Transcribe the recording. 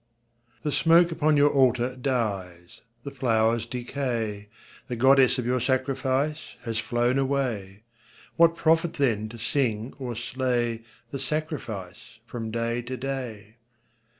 _) The smoke upon your Altar dies, The flowers decay, The Goddess of your sacrifice Has flown away. What profit, then, to sing or slay The sacrifice from day to day?